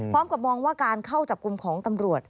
พร้อมกับมองว่าการเข้าจับกลุ่มของตำรวจ